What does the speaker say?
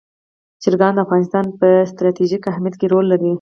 چرګان د افغانستان په ستراتیژیک اهمیت کې رول لري.